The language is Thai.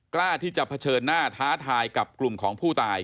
กล้าที่จะเผชิญหน้าท้าทายกับกลุ่มของผู้ตาย